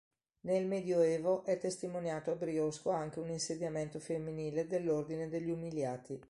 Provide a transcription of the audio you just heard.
Nel Medioevo è testimoniato a Briosco anche un insediamento femminile dell'ordine degli Umiliati.